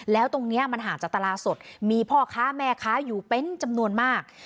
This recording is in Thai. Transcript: แล้วตรงนี้มันห่างจากตลาดสดมีพ่อค้าแม่ค้าอยู่เป็นจำนวนมาก